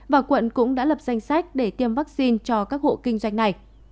và quận cũng đã lập danh sách để tiêm vaccine cho các hộ kinh doanh này